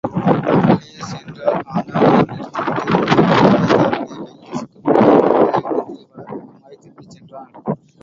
அவ்வழியே சென்றால் ஆங்காங்கே நிறுத்தப்படிருந்த பட்டாளத்தாருடைய கையில் சிக்கும்படி நேரும் என்பதை உணர்ந்து, வலது பக்கமாய்த் திரும்பிச் சென்றான்.